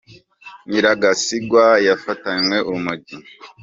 Nyiragasigwa yafatanywe urumogi